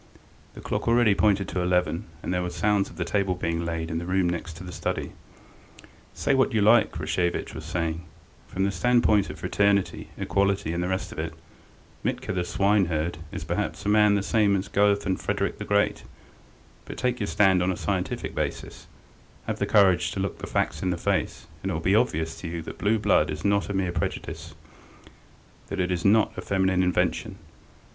The clock already pointed to eleven, and there were sounds of the table being laid in the room next to the study. "Say what you like," Rashevitch was saying, "from the standpoint of fraternity, equality, and the rest of it, Mitka, the swineherd, is perhaps a man the same as Goethe and Frederick the Great; but take your stand on a scientific basis, have the courage to look facts in the face, and it will be obvious to you that blue blood is not a mere prejudice, that it is not a feminine invention.